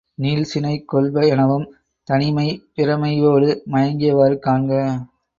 நீள்சினை கொள்ப எனவும் தனிமெய் பிறமெய்யோடு மயங்கியவாறு காண்க.